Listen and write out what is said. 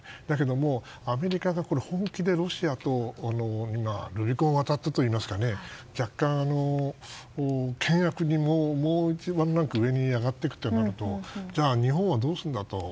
だけどもアメリカが本気でロシアとルビコンを渡ったといいますかね若干、険悪にもう１ランク上がるとなるとじゃあ、日本はどうするんだと。